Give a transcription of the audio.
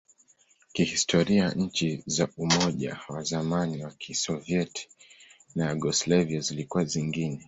Kihistoria, nchi za Umoja wa zamani wa Kisovyeti na Yugoslavia zilikuwa zingine.